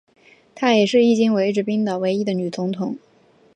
她也是迄今为止冰岛唯一的女总统。